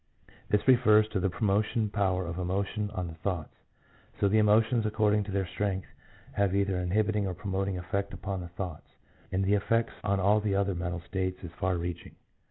This refers to the promotive power of emotion on the thoughts ; so the emotions according to their strength have either an inhibiting or promoting effect upon the thoughts, and the effects on all the other mental states is far reaching.